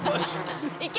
いけ！